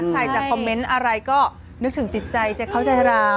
ใครจะคอมเมนต์อะไรก็นึกถึงจิตใจจะเข้าใจเรา